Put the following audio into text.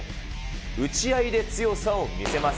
打ち合いで強さを見せます。